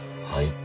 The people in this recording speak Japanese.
はい。